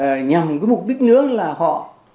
hùa theo này thì nó nhằm với mục đích nữa là họ